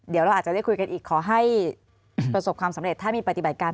เดี๋ยวเราอาจจะได้คุยกันอีกขอให้ประสบความสำเร็จถ้ามีปฏิบัติการ